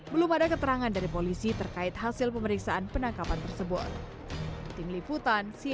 belum ada keterangan dari polisi terkait hasil pemeriksaan penangkapan tersebut